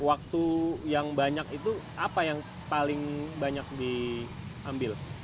waktu yang banyak itu apa yang paling banyak diambil